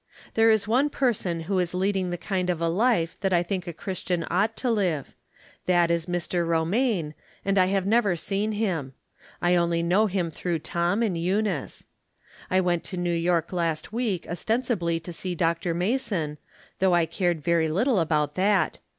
There is one person who is lead ing the kind of a life that I think a Christian ought to live. That is Mr. Romaine, and I have never seen him. I only know him through Tom and Eunice. I went to New York last week os tensibly to see Dr. Mason, though I cared very little about that.